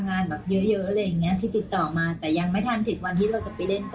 สำหรับพี่ดวงตาโครงท้อง